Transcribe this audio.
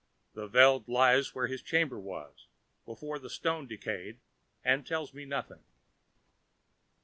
The Veld lies where his chamber was, before the stone decayed, and tells me nothing.